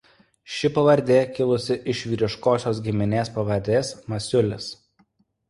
Ši pavardė kilusi iš vyriškos giminės pavardės Masiulis.